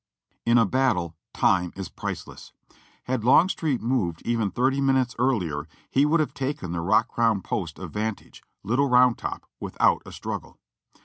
In a battle, time is priceless ! Had Longstreet moved even thirty minutes earlier, he would have taken that rock crowned post of vantage, Little Round Top, without a struggle.